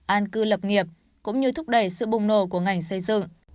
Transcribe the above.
an cư lập nghiệp cũng như thúc đẩy sự bùng nổ của ngành xây dựng